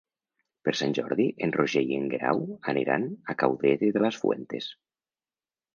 Per Sant Jordi en Roger i en Guerau aniran a Caudete de las Fuentes.